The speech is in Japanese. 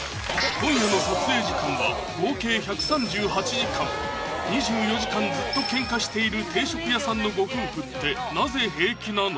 今夜の撮影時間は合計１３８時間２４時間ずっとケンカしている定食屋さんのご夫婦ってなぜ平気なの？